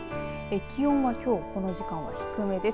気温はきょうこの時間は低めです。